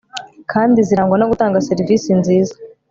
kandi zirangwa no gutanga serivisi nziza